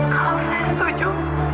kalau saya setuju